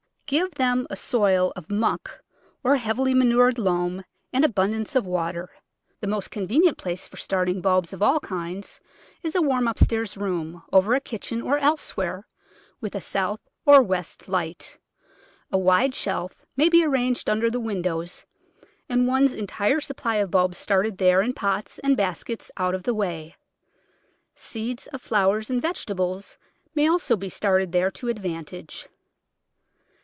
Give them a soil of muck or heavily manured loam and abundance of water. The most convenient place for starting bulbs of all kinds is a warm upstairs room, over a kitchen or elsewhere, with a south or west light. A wide shelf may be ar ranged under the windows and one's entire supply of bulbs started there in pots and baskets out of the way. Seeds of flowers and vegetables may also be started there to advantage.